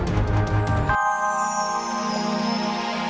tidak ada yang lebih sakti dariku